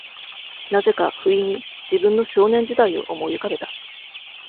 何故か、不意に、自分の少年時代を思い浮かべた。